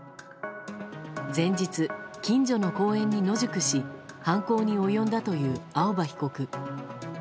前日、近所の公園に野宿し犯行に及んだという青葉被告。